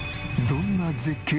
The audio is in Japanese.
「どんな絶景？」